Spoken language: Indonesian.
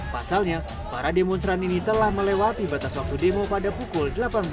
pasalnya para demonstran ini telah melewati batas waktu demo pada pukul delapan belas